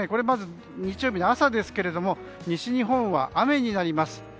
まず日曜日の朝ですけども西日本は雨になります。